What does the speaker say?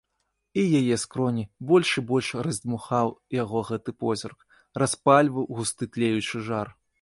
І яе скроні больш і больш раздзьмухаў яго гэты позірк, распальваў густы тлеючы жар.